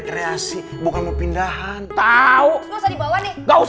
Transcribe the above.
bisa aja padahal